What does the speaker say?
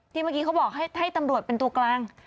เมื่อกี้เขาบอกให้ตำรวจเป็นตัวกลาง